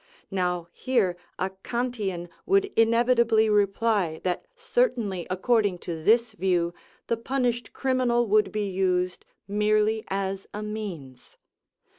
Now here a Kantian would inevitably reply that certainly according to this view the punished criminal would be used "merely as a means."